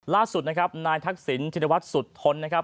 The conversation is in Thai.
ล่าสุดนะครับนายทักษิณชินวัฒน์สุดทนนะครับ